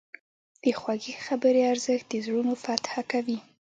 د خوږې خبرې ارزښت د زړونو فتح کوي.